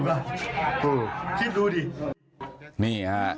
คิดดูดิ